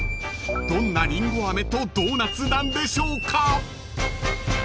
［どんなりんご飴とドーナツなんでしょうか？］